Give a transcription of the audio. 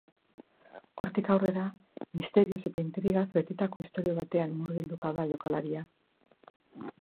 Hortik aurrera, misterioz eta intrigaz betetako istorio batean murgilduko da jokalaria.